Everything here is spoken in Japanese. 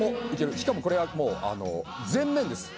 しかもこれはもう全面です。